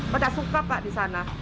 pada suka pak di sana